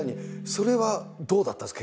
それはどうだったんです？